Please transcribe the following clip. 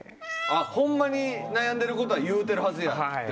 ホンマに悩んでることは言うてるはずやってこと？